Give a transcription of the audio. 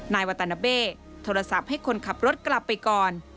นายวาตานาเบ้โทรศัพท์ให้คนขับรถกลับไปก่อน